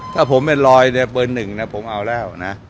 ถ้าผมเป็นรอยเนี่ยเบอร์๑ผมเอาแล้วนะ